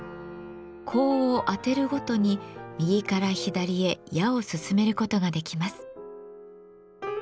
香を当てるごとに右から左へ矢を進めることができます。